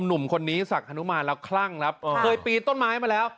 หนุ่มคนนี้สักฮนุมานแล้วคลั่งครับเคยปีนต้นไม้มาแล้ว